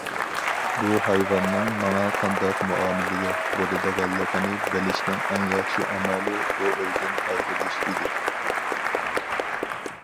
بۇ ھايۋاننىڭ ماڭا قانداق مۇئامىلىدە بولىدىغانلىقىنى بىلىشنىڭ ئەڭ ياخشى ئامالى بۇ ئۆيدىن ئايرىلىش ئىدى.